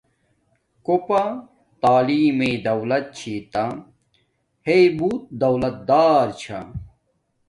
کوپا تعلیم میے دولت چھِی تا ہݵ بوت دولت دار چھا